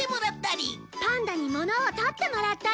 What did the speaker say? パンダにものを取ってもらったり